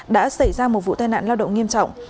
đã xảy ra một vụ tai nạn lao động nghiêm trọng